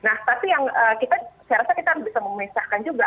nah tapi yang saya rasa kita bisa menyesahkan juga